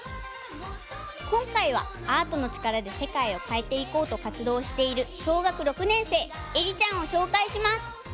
こんかいはアートのちからでせかいをかえていこうとかつどうしているしょうがく６ねんせいえりちゃんをしょうかいします！